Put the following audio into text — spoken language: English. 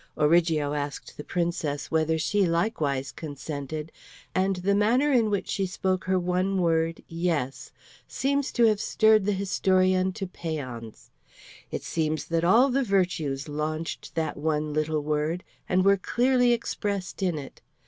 Origo asked the Princess whether she likewise consented, and the manner in which she spoke her one word, "Yes," seems to have stirred the historian to pæans. It seems that all the virtues launched that one little word, and were clearly expressed in it.